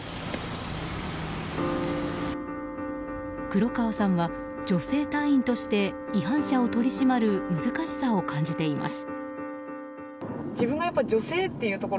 黒川さんは、女性隊員として違反者を取り締まる難しさを感じています。